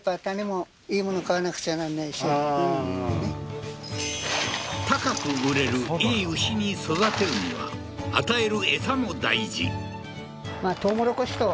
ああー高く売れる良い牛に育てるには与える餌も大事あっ